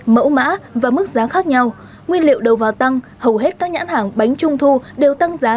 mẫu mã và mức giá khác nhau nguyên liệu đầu vào tăng hầu hết các nhãn hàng bánh trung thu đều tăng giá